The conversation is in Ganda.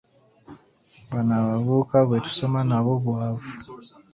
Bano abavubuka bwe tusoma nabo bwavu.